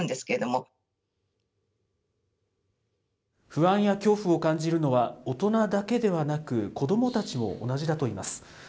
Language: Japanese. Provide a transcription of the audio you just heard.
不安や恐怖を感じるのは、大人だけではなく、子どもたちも同じだといいます。